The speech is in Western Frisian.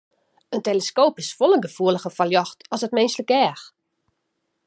In teleskoop is folle gefoeliger foar ljocht as it minsklik each.